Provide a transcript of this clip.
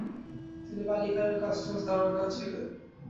তিনি বালিখালের কাস্টমস দারোগা ছিলেন।